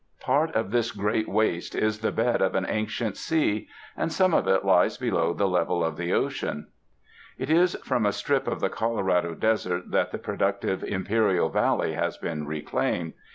Part of this great waste is the bed of an ancient sea, and some of it lies below the level of the ocean. 1 UNDER THE SKY IN CALIFORNIA It is from a strip of the Colorado Desert that the productive Imperial Valley has been reclaimed.